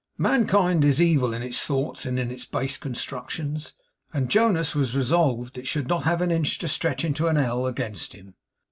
Mankind is evil in its thoughts and in its base constructions, and Jonas was resolved it should not have an inch to stretch into an ell against him.